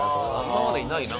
今までにないな。